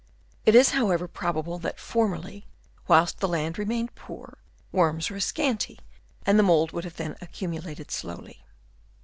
It is, however, probable that formerly, whilst the land remained poor, worms were scanty ; and the mould would then have accumulated slowly.